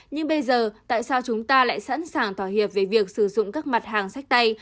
nhưng bây giờ tại sao chúng ta lại sẵn sàng thỏa hiệp về việc sử dụng các mặt hàng sách tay